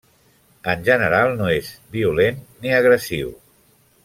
En general, no és violent ni agressiu.